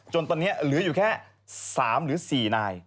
ตอนนี้เหลืออยู่แค่๓หรือ๔นาย